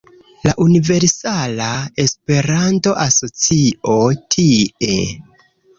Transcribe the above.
La Universala Esperanto-Asocio tie